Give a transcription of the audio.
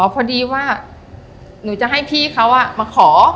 พอดีว่าหนูจะให้พี่เขามาขอ